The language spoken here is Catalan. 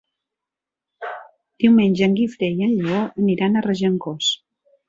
Diumenge en Guifré i en Lleó aniran a Regencós.